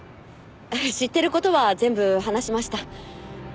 知ってる事は全部話しました。